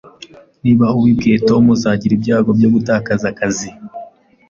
Niba ubibwiye Tom, uzagira ibyago byo gutakaza akazi.